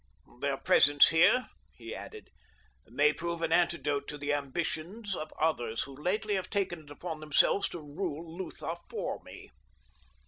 "Their presence here," he added, "may prove an antidote to the ambitions of others who lately have taken it upon themselves to rule Lutha for me."